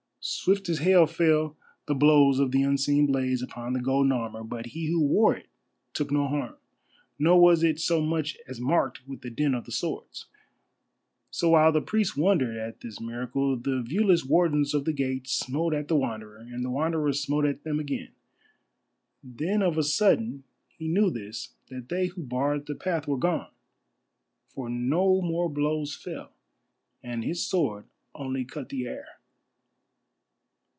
Swift as hail fell the blows of the unseen blades upon the golden armour, but he who wore it took no harm, nor was it so much as marked with the dint of the swords. So while the priests wondered at this miracle the viewless Wardens of the Gate smote at the Wanderer, and the Wanderer smote at them again. Then of a sudden he knew this, that they who barred the path were gone, for no more blows fell, and his sword only cut the air.